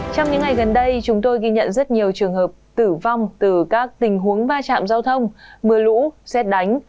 trong những ngày gần đây chúng tôi ghi nhận rất nhiều trường hợp tử vong từ các tình huống ba trạm giao thông mưa lũ xét đánh